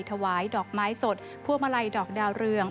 ถวายดอกไม้สดพวงมาลัยดอกดาวเรือง